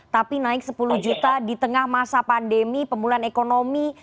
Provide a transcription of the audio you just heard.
tapi naik sepuluh juta di tengah masa pandemi pemulihan ekonomi